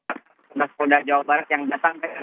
pengguna sekolah jawa barat yang datang